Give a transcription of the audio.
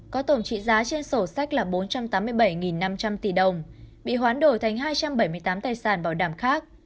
có tổng trị giá trên sổ sách là bốn trăm tám mươi bảy năm trăm linh tỷ đồng bị hoán đổi thành hai trăm bảy mươi tám tài sản bảo đảm khác